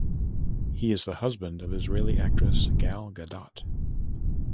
He is the husband of Israeli actress Gal Gadot.